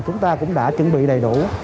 chúng ta cũng đã chuẩn bị đầy đủ